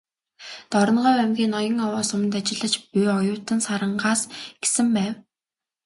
"Дорноговь аймгийн Ноён-Овоо суманд ажиллаж буй оюутан Сарангаа"с гэсэн байв.